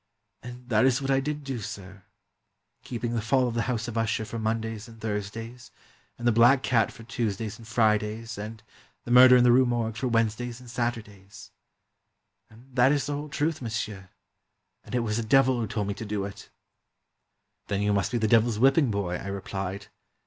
And that is what I did do, sir, keeping 'The Fall of the House of Usher ' for Mondays and Thursdays, and ' The Black Cat ' for Tuesdays and Fridays, and ' The Murder in the Rue Morgue' for Wednesdays and Saturdays. And that is the whole truth, monsieur, and it was the Devil who told me to do it. ..." "Then you must be the Devil's whipping boy," I replied.